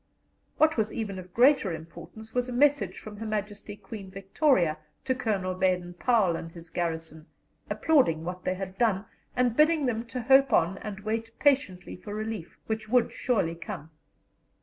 What was even of greater importance was a message from Her Majesty Queen Victoria to Colonel Baden Powell and his garrison, applauding what they had done, and bidding them to hope on and wait patiently for relief, which would surely come.